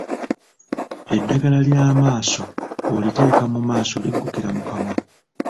Eddagala ly'amaaso bw'oliteeka mu maaso liggukira mu kamwa.